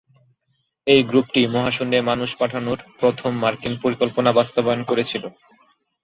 এই গ্রুপটি মহাশূন্যে মানুষ পাঠানোর প্রথম মার্কিন পরিকল্পনা বাস্তবায়ন করেছিল।